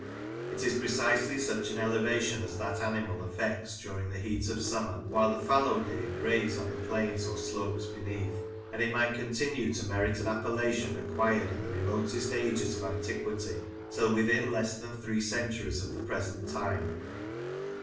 It is precisely such an elevation as that animal affects during the heat of summer, while the fallow deer graze on the plains or slopes beneath ; and it might continue to merit an appellation acquired in the remotest ages of antiquity till within less than three centuries of the present time."